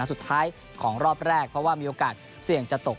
สุดท้ายของรอบแรกเพราะว่ามีโอกาสเสี่ยงจะตก